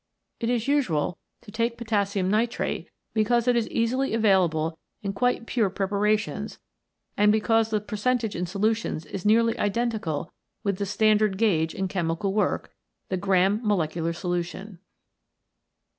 It is usual to take potassium nitrate because it is easily available in quite pure preparations and because the percentage in solutions is nearly identical with the standard gauge in chemical work, the Gramm Molecule Solution.